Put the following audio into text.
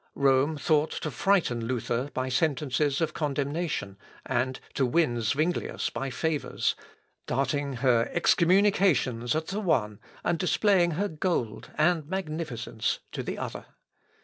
Rome thought to frighten Luther by sentences of condemnation, and to win Zuinglius by favours darting her excommunications at the one, and displaying her gold and magnificence to the other.